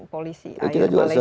polisi air malaysia